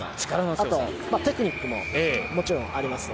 あと、テクニックももちろんありますね。